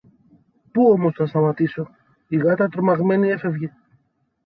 Πού όμως να σταματήσω! Η γάτα τρομαγμένη έφευγε